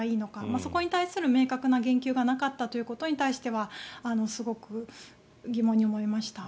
そこに対する明確な言及がなかったということに対してはすごく疑問に思いました。